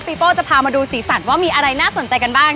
โป้จะพามาดูสีสันว่ามีอะไรน่าสนใจกันบ้าง